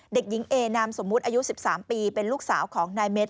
เด็กหญิงเอนามสมมุติอายุ๑๓ปีเป็นลูกสาวของนายเม็ด